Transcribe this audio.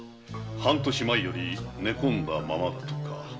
半年前より寝込んだままだとか。